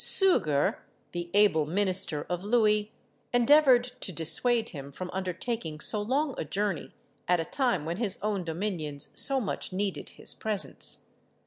Suger, the able minister of Louis, endeavoured to dissuade him from undertaking so long a journey at a time when his own dominions so much needed his presence.